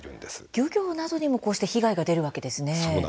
漁業などにもこうして被害が出るわけですね。